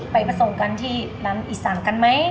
ไปผสมกันที่ร้านอีสานกันไหม